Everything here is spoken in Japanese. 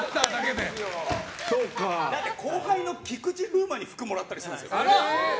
だって後輩の菊池風磨に服をもらったりするんですよ。